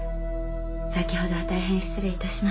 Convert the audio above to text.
先ほどは大変失礼致しました。